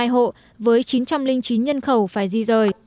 ba trăm một mươi hai hộ với chín trăm linh chín nhân khẩu phải di rời